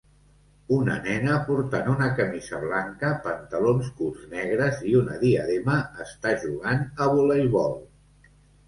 Una nena portant una camisa blanca, pantalons curts negres i una diadema està jugant a voleibol.